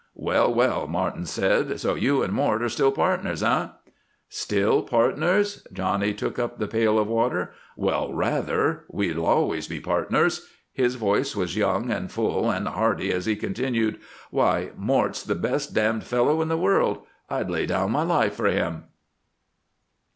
"Well, well!" Martin said. "So you and Mort are still partners, eh?" "Still partners?" Johnny took up the pail of water. "Well, rather! We'll always be partners." His voice was young and full and hearty as he continued: "Why, Mort's the best damned fellow in the world. I'd lay down my life for him."